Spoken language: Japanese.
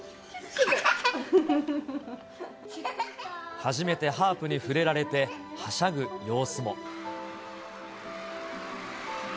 初めてハープに触れられて、はしゃぐ様子も。